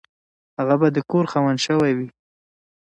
هغه به د کور خاوند شوی وي.